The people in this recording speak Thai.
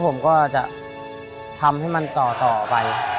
ผมก็จะทำให้มันต่อไป